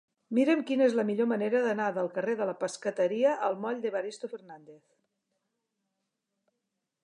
Mira'm quina és la millor manera d'anar del carrer de la Pescateria al moll d'Evaristo Fernández.